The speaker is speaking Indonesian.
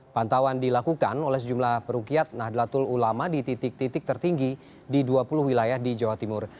pantauan dilakukan oleh sejumlah perukiat nahdlatul ulama di titik titik tertinggi di dua puluh wilayah di jawa timur